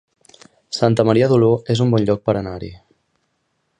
Santa Maria d'Oló es un bon lloc per anar-hi